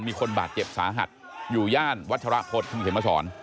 มีคนบาดเจ็บสาหัสอยู่ย่านวัชรพลทพ